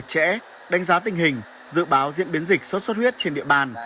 ubnd tỉnh giao sở y tế đánh giá tình hình dự báo diễn biến dịch sốt xuất huyết trên địa bàn